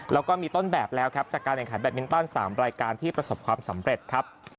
แล้วก็มีต้นแบบแล้วครับจากการแข่งขันแบบมินตัน๓รายการที่ประสบความสำเร็จครับ